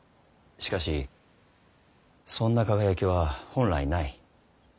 しかしそんな輝きは本来ない。